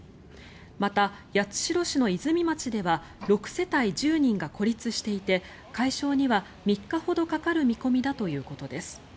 また、八代市の泉町では６世帯１０人が孤立していて解消には３日ほどかかる見込みだということです。